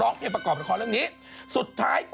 ใครละใครคนโพสต์ล่ะ